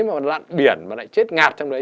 mà lặn biển và lại chết ngạt trong đấy